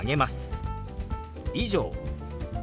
「以上」。